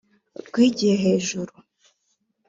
rwigiye hejuru